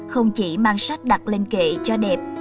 không chỉ mang sách đặt lên kệ cho đẹp